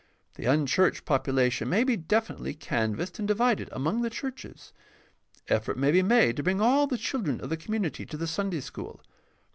The unchurched population may be definitely canvassed and divided among the churches. Effort may be made to bring all the children of the community to the Sunday school.